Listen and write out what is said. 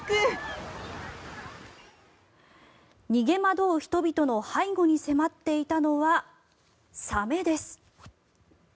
逃げ惑う人々の背後に迫っていたのはサメです。